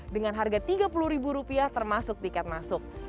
dengan harga tiga puluh ribu rupiah termasuk tiket masuk